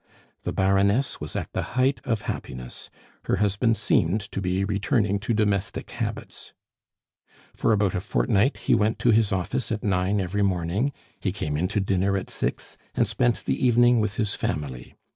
The Baroness was at the height of happiness; her husband seemed to be returning to domestic habits; for about a fortnight he went to his office at nine every morning, he came in to dinner at six, and spent the evening with his family.